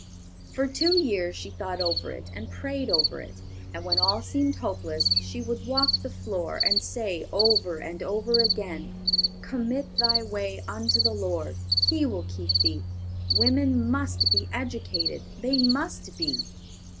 For two years she thought over it, and prayed over it, and when all seemed hopeless, she would walk the floor, and say over and over again, "Commit thy way unto the Lord. He will keep thee. Women must be educated; they must be."